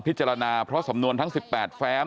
พิจารณาเพราะสำนวนทั้ง๑๘แฟ้ม